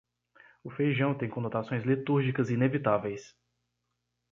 O feijão tem conotações litúrgicas inevitáveis.